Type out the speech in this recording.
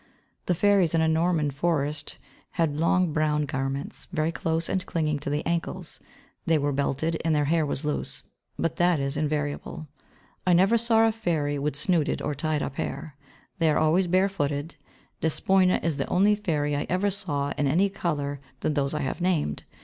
The fairies in a Norman forest had long brown garments, very close and clinging, to the ankles. They were belted, and their hair was loose. But that is invariable. I never saw a fairy with snooded or tied up hair. They are always bare footed. Despoina is the only fairy I ever saw in any other colour than those I have named.